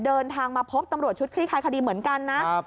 เดินทางมาพบตำรวจชุดคลี่คลายคดีเหมือนกันนะ